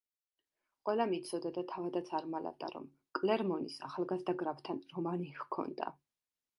ყველამ იცოდა და თავადაც არ მალავდა, რომ კლერმონის ახალგაზრდა გრაფთან რომანი ჰქონდა.